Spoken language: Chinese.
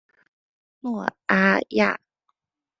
诺阿亚。